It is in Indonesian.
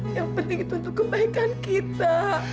yang penting itu untuk kebaikan kita